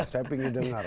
saya pengen dengar